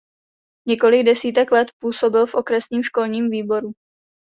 Několik desítek let působil v okresním školním výboru.